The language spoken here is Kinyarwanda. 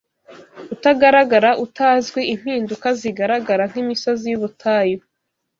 Utagaragara, utazwi; impinduka zigaragara nkimisozi yubutayu